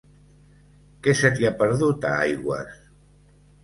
Què se t'hi ha perdut, a Aigües?